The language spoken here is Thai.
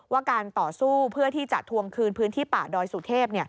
การต่อสู้เพื่อที่จะทวงคืนพื้นที่ป่าดอยสุเทพ